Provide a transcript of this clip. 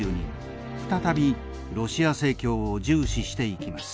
再びロシア正教を重視していきます。